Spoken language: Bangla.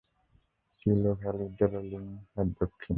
কিলো ভ্যালি, টলোলিং এর দক্ষিণে।